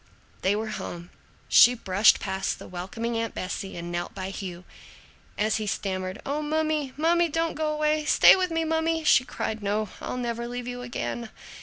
They were home. She brushed past the welcoming Aunt Bessie and knelt by Hugh. As he stammered, "O mummy, mummy, don't go away! Stay with me, mummy!" she cried, "No, I'll never leave you again!"